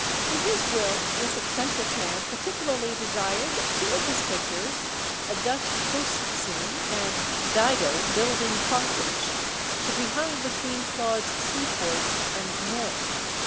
In his will this eccentric man particularly desired that two of his pictures a Dutch coast scene and "Dido Building Carthage" should be hung between Claude's "Sea Port" and "Mill."